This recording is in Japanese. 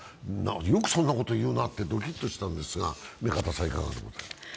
よくそんなこと言うなとドキッとしたんですが、目加田さんいかがですか？